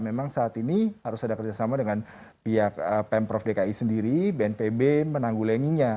memang saat ini harus ada kerjasama dengan pihak pemprov dki sendiri bnpb menanggulanginya